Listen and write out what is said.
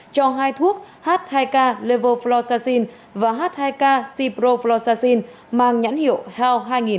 cho hai thuốc h hai k level fluoxacin và h hai k ciprofluoxacin mang nhãn hiệu health hai nghìn